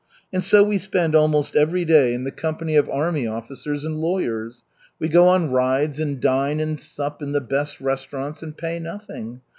And so we spend almost every day in the company of army officers and lawyers. We go on rides and dine and sup in the best restaurants, and pay nothing.